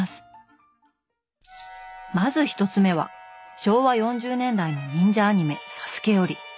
まず１つ目は昭和４０年代の忍者アニメ「サスケ」より。